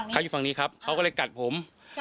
เขาอยู่ฝั่งนี้ครับเขาก็เลยกัดผม